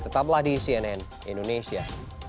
tetaplah di cnn indonesia